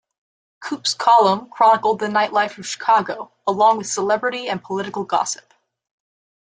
"Kup's Column" chronicled the nightlife of Chicago, along with celebrity and political gossip.